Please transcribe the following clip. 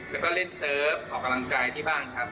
แล้วก็เล่นเซิร์ฟออกกำลังกายที่บ้านครับ